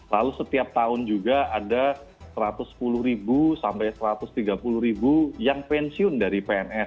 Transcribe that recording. lalu setiap tahun juga ada satu ratus sepuluh sampai satu ratus tiga puluh yang pensiun dari pns